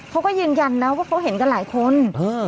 เขาก็ยืนยันนะว่าเขาเห็นกันหลายคน